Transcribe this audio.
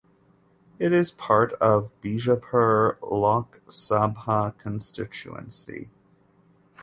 It is part of Bijapur (Lok Sabha constituency).